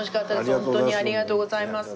ホントにありがとうございます。